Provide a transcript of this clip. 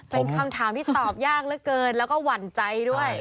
เป็นคำถามที่ตอบยากเหลือเกินแล้วก็หวั่นใจด้วย